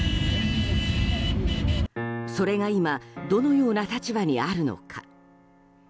それが今どのような立場にあるのか。